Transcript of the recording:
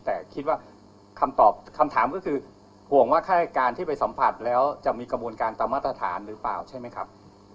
แต่คิดว่าคำตอบคำถามก็คือห่วงว่าฆาตการที่ไปสัมผัสแล้วจะมีกระบวนการตามมาตรฐานหรือเปล่าใช่ไหมครับ